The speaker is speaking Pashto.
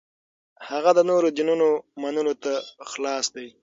هغه د نورو دینونو منلو ته خلاص دی.